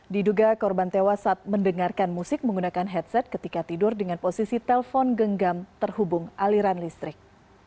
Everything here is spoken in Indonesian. diduga korban tewas saat mendengarkan musik menggunakan headset ketika tidur dengan posisi telpon genggam terhubung aliran listrik